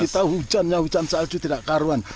kita hujannya hujan salju tidak karuan